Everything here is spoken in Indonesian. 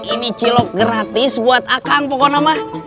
ini cilok gratis buat akang pokoknya mah